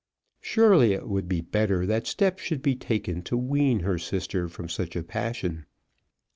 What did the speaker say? Surely it would be better that steps should be taken to wean her sister from such a passion!